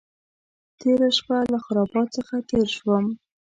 تېره شپه له خرابات څخه تېر شوم.